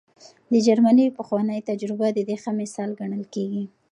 د جرمني پخوانۍ تجربه د دې ښه مثال ګڼل کېږي.